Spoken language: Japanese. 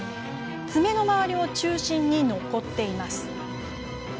爪の周りを中心に残っています。